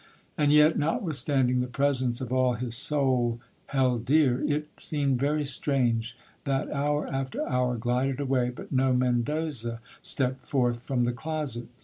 And yet, notwithstanding the presence of all his soul held dear, it seemed very strange that hour after hour glided away but no Mendoza stepped forth from the closet